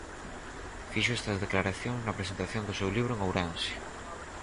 Fixo estas declaracións na presentación do seu libro en Ourense.